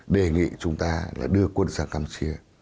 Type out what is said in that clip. đề nghị chúng ta là đưa quân sang campuchia